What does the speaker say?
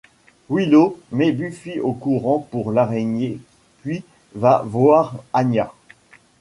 Willow met Buffy au courant pour l'araignée puis va voir Anya.